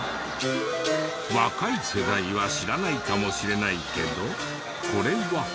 若い世代は知らないかもしれないけどこれは。